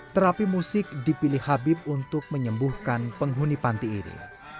terapi musik dipilih habib untuk menyembuhkan penghuni panti ini